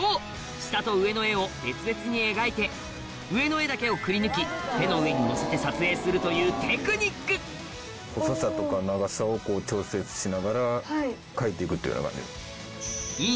下と上の絵を別々に描いて上の絵だけをくりぬき手の上に載せて撮影するというテクニックしながら描いていくっていう流れ。